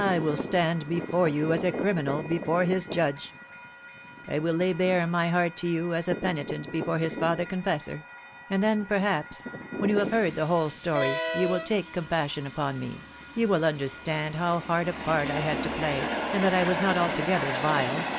I will stand be fore you as a criminal before his judge. I will lay bare my heart to you as a penitent before his father confessor — and then perhaps, when you have heard the whole story, you will take compassion upon me— you will under stand how hard a part I had to play — and that I was not altogether vile.